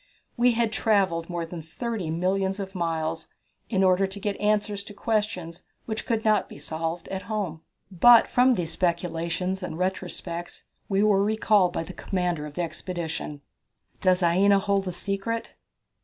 We had travelled more than thirty millions of miles in order to get answers to questions which could not be solved at home. But from these speculations and retrospects we were recalled by the commander of the expedition. Does Aina Hold the Secret?